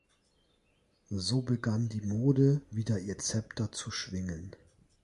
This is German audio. So begann die Mode wieder ihr Zepter zu schwingen.